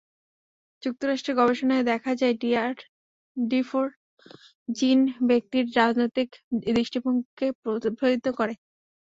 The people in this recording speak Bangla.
যুক্তরাষ্ট্রের গবেষণায় দেখা যায়, ডিআরডিফোর জিন ব্যক্তির রাজনৈতিক দৃষ্টিভঙ্গিকে প্রভাবিত করে।